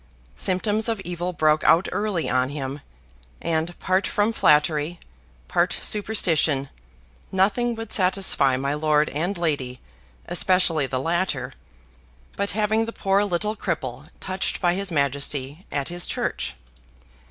Symptoms of evil broke out early on him; and, part from flattery, part superstition, nothing would satisfy my lord and lady, especially the latter, but having the poor little cripple touched by his Majesty at his church.